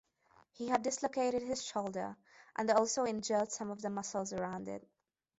He had dislocated his shoulder and also injured some of the muscles around it.